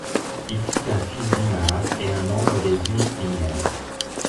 Il fut un fils d'Ímar et un membre des Uí Ímair.